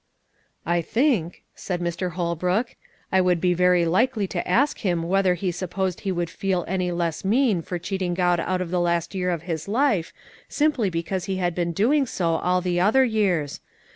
"I think," said Mr. Holbrook, "I would be very likely to ask him whether he supposed he would feel any less mean for cheating God out of the last year of his life, simply because he had been doing so all the other years.